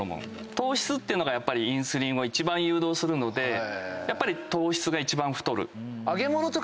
糖質っていうのがやっぱりインスリンを一番誘導するので糖質が一番太る。